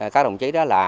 các đồng chí đó là